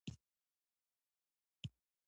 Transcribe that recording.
نوري یا ساده مایکروسکوپ له یو څخه زیات لینزونه لري.